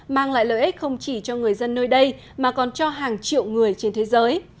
mang lại lợi ích không chỉ cho người dân nơi đây mà còn cho hàng triệu người trên thế giới